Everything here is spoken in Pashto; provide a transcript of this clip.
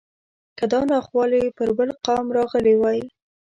که دا ناخوالې پر بل قوم راغلی وای.